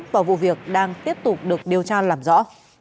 và vụ việc đang tiếp tục được điều tra làm rõ